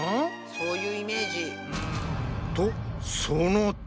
そういうイメージ。